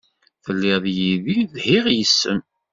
Telliḍ yid-i dhiɣ yes-m.